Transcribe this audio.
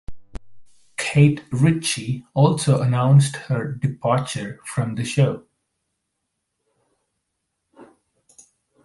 Kate Ritchie also announced her departure from the show.